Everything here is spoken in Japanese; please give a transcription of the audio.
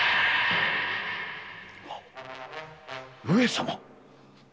上様！